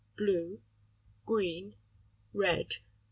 Blue. Green. Red.